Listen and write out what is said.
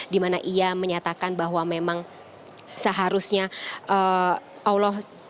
di mana ia menyatakan bahwa memang seharusnya allah